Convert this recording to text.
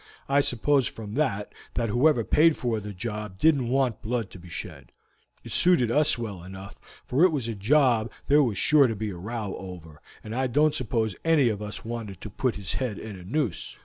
I suppose from that, that whoever paid for the job didn't want blood to be shed; it suited us well enough, for it was a job there was sure to be a row over, and I don't suppose any of us wanted to put his head in a noose.